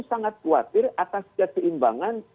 sangat khawatir atas keseimbangan